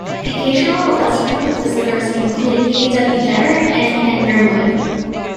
Occasional but less frequent visitors included K. W. Jeter and Ken Grimwood.